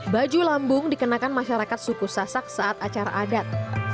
baju lambung dikenakan masyarakat suku sasak saat acara adat